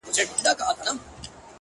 که نه نو ولي بيا جواب راکوي؛